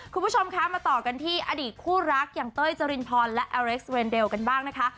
คุณผู้ชมคะมาต่อกันที่อดีตคู่รักอย่างเต้ยจรินพรและอเล็กซ์เรนเดลกันบ้างนะคะ